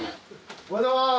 おはようございます！